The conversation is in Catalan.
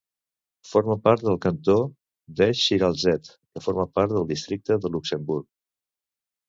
Forma part del Cantó d'Esch-sur-Alzette, que forma part del Districte de Luxemburg.